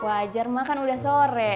wajar mak kan udah sore